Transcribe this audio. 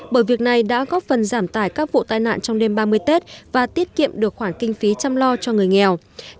bởi việc này đã góp phần giảm tải các vụ tai nạn trong đêm ba mươi tết và tiết kiệm được khoản kinh phí chăm lo cho người nghèo